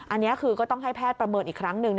อันนี้คือก็ต้องให้แพทย์ประเมินอีกครั้งหนึ่ง